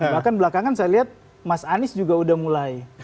bahkan belakangan saya lihat mas anies juga udah mulai